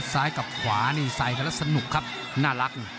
สายกันแล้วสนุกครับน่ารัก